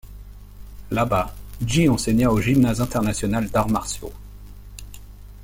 Là-bas, Ji enseigna au Gymnase International d’Arts Martiaux.